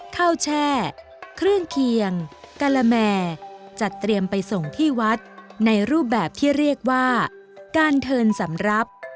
แช่เครื่องเคียงกะละแมจัดเตรียมไปส่งที่วัดในรูปแบบที่เรียกว่าการเทินสำหรับ